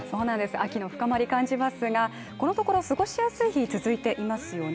秋の深まり感じますが、このところ少し寒い日続いていますよね。